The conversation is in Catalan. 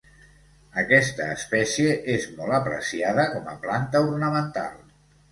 Aquesta espècie és molt apreciada com a planta ornamental.